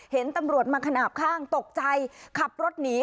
เห็นตำรวจมาขนาดข้างตกใจขับรถหนี